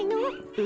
え？